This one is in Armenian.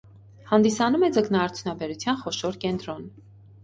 Հանդիսանում է ձկնաարդյունաբերության խոշոր կենտրոն։